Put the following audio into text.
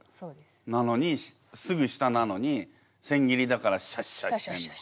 なのにすぐ下なのに千切りだからシャッシャッシャッ。